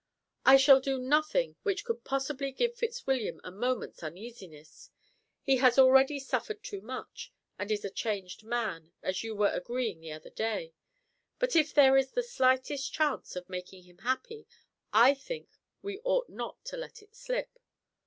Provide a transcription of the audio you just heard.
I shall do nothing which could possibly give Fitzwilliam a moment's uneasiness; he has already suffered too much, and is a changed man, as you were agreeing the other day; but if there is the slightest chance of making him happy, I think we ought not to let it slip.